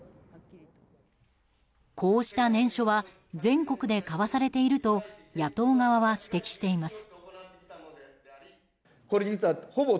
こうした念書は全国で交わされていると野党側は指摘しています。